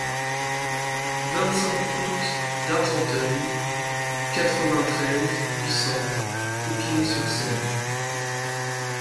vingt-cinq route d'Argenteuil, quatre-vingt-treize, huit cents, Épinay-sur-Seine